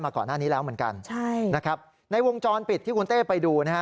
ก่อนหน้านี้แล้วเหมือนกันใช่นะครับในวงจรปิดที่คุณเต้ไปดูนะฮะ